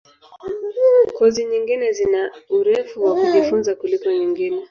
Kozi nyingine zina urefu wa kujifunza kuliko nyingine.